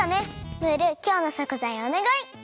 ムールきょうのしょくざいをおねがい！